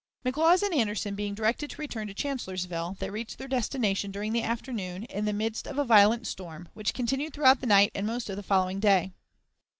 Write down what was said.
McLaws and Anderson being directed to return to Chancellorsville, they reached their destination during the afternoon, in the midst of a violent storm, which continued throughout the night and most of the following day.